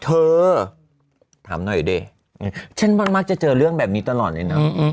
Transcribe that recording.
เธอถามหน่อยดิฉันมันมักจะเจอเรื่องแบบนี้ตลอดเลยนะ